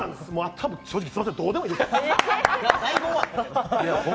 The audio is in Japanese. あとは、正直すいません、どうでもいいです。